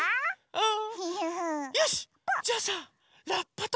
うん！